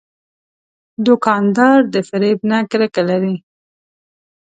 دوکاندار د فریب نه کرکه لري.